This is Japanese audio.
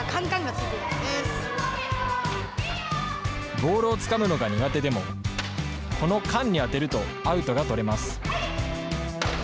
ボールをつかむのが苦手でも、この缶に当てるとアウトが取れます。